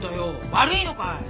悪いのかい？